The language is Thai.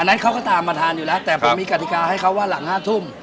นั้นเขาก็ตามมาทานอยู่แล้วแต่ผมมีกฎิกาให้เขาว่าหลัง๕ทุ่ม